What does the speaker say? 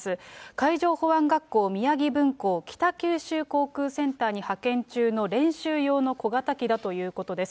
海上保安学校宮城分校北九州航空センターに派遣中の練習用の小型機だということです。